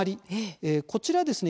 こちらですね